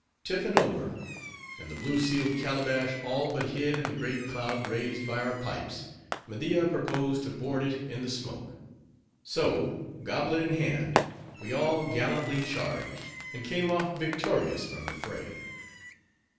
Tiffin over, and the blue sealed calabash all but hid in the great cloud raised by our pipes, Media proposed to board it in the smoke. So, goblet in hand, we all gallantly charged, and came off victorious from the fray.